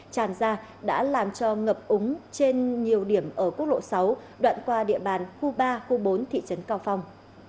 tràn ra đã làm cho ngập úng trên nhiều điểm ở quốc lộ sáu đoạn qua địa bàn khu ba khu bốn thị trấn cao phong